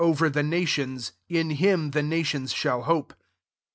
over the nations» in him the. nations shall hope.''